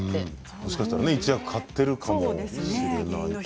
もしかしたら一役買ってるかもしれないですね。